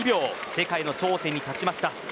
世界の頂点に立ちました。